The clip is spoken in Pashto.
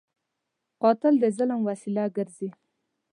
قاتل د ظلم وسیله ګرځي